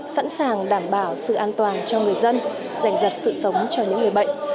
sẵn sàng đảm bảo sự an toàn cho người dân giành giật sự sống cho những người bệnh